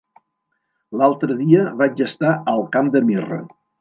L'altre dia vaig estar al Camp de Mirra.